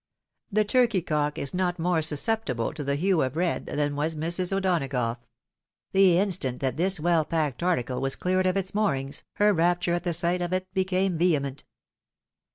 The turkey cook is not more susceptible to the 42 THE WIDOW MAERIED. hue of red, than was Mrs. O'Donagough, The instant that this well packed article was cleared of its moorings, her rapture at the sight of it became vehement.